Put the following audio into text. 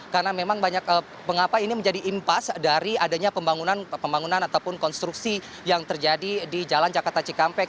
karena memang banyak pengapa ini menjadi impas dari adanya pembangunan ataupun konstruksi yang terjadi di jalan jakarta cikampek